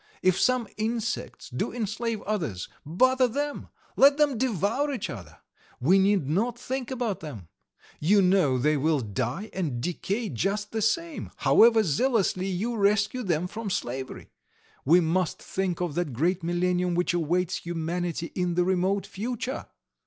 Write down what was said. If some insects do enslave others, bother them, let them devour each other! We need not think about them. You know they will die and decay just the same, however zealously you rescue them from slavery. We must think of that great millennium which awaits humanity in the remote future."